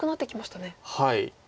はい。